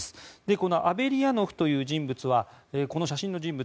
このアベリヤノフという人物はこの写真の人物